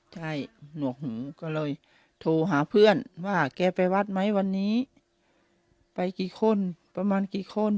ใช่หนวกหูก็เลยโทรหาเพื่อนว่าแกไปวัดไหมวันนี้ไปกี่คนประมาณกี่คน